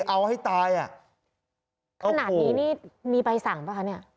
เอาให้ตายอ่ะขนาดนี้นี่มีใบสั่งป่ะคะเนี่ย